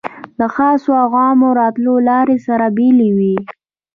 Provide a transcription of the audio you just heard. د خاصو او عامو راتلو لارې سره بېلې وې.